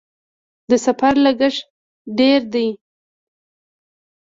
د سفر لګښت ډیر دی؟